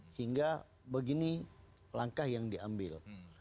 sehingga begini langkah yang diambil